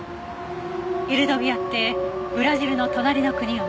エルドビアってブラジルの隣の国よね？